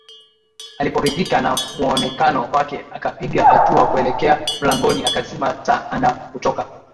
Aliporidhika na mwonekano wake akapiga hatua kuelekea mlangoni akazima ta ana kutoka